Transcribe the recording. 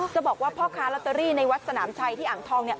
จะบอกว่าพ่อค้าลอตเตอรี่ในวัดสนามชัยที่อ่างทองเนี่ย